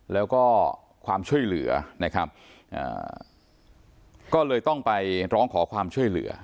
แล้วก็ความช่วยเหลือนะครับก็เลยต้องไปร้องขอความช่วยเหลือ